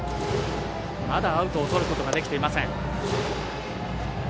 まだアウトをとることができていません。